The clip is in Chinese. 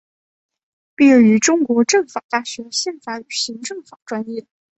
毕业于中国政法大学宪法与行政法专业。